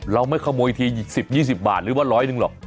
เราไม่ขโมยที๑๐๒๐บาทหรือว่าร้อยหนึ่งหรอก